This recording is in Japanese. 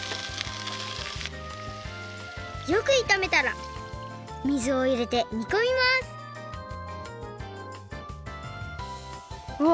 よくいためたら水をいれてにこみますうわっ！